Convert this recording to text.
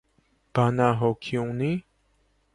- Բա նա հոգի ունի՞: